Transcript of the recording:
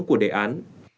của đề án